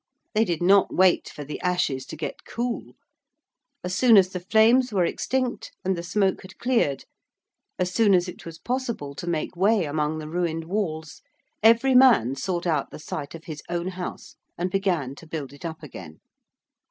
They did not wait for the ashes to get cool. As soon as the flames were extinct and the smoke had cleared: as soon as it was possible to make way among the ruined walls, every man sought out the site of his own house and began to build it up again.